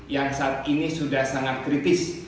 yang saat ini sudah sangat kritis